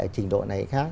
trình độ này khác